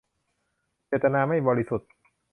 เจตนาไม่บริสุทธิ์